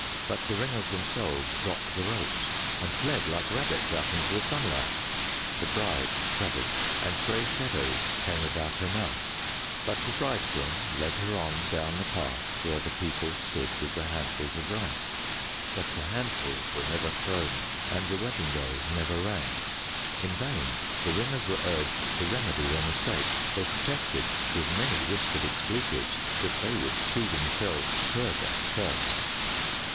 But the ringers themselves dropped the ropes and fled like rabbits out into the sunlight. The bride shuddered, and grey shadows came about her mouth, but the bridegroom led her on down the path where the people stood with the handfuls of rice; but the handfuls were never thrown, and the wedding bells never rang. In vain the ringers were urged to remedy their mistake: they protested with many whispered expletives that they would see themselves further first.